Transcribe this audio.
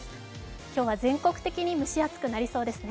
今日は全国的に蒸し暑くなりそうですね。